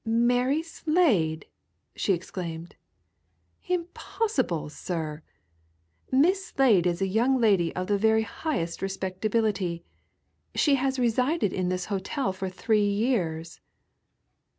"Miss Slade!" she exclaimed. "Impossible, sir! Miss Slade is a young lady of the very highest respectability she has resided in this hotel for three years!"